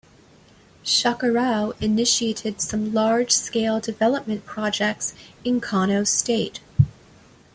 Shekarau initiated some large scale development projects in Kano State.